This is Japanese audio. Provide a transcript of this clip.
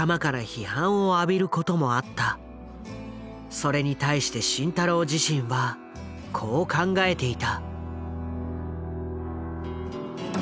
それに対して慎太郎自身はこう考えていた。